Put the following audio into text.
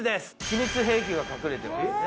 秘密兵器が隠れてます。